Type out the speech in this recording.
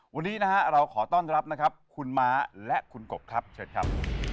วันนี้นะฮะเราขอต้อนรับนะครับคุณม้าและคุณกบครับเชิญครับ